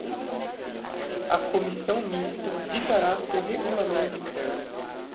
A Comissão Mista ditará seu regulamento interno.